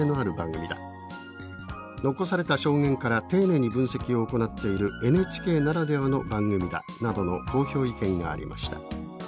「残された証言から丁寧に分析を行っているＮＨＫならではの番組だ」などの好評意見がありました。